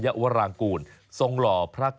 จากความสุทธิ์จงไม่เป็นทำอะไร